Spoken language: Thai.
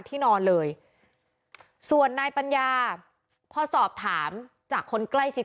ที่นอนเลยส่วนนายปัญญาพอสอบถามจากคนใกล้ชิด